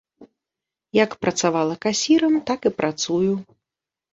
Як працавала касірам, так і працую.